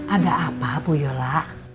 ada apa bu yola